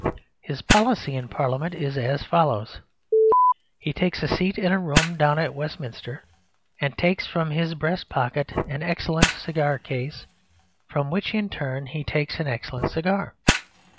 His policy in Parliament is as follows: he takes a seat in a room downstairs at Westminster, and takes from his breast pocket an excellent cigar case, from which in turn he takes an excellent cigar.